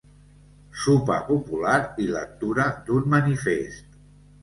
Sopar popular i lectura d'un manifest.